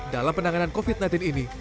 dalam penanganan covid sembilan belas ini